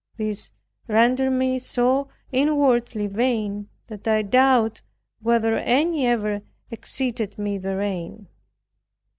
This rendered me so inwardly vain, that I doubt whether any ever exceeded me therein.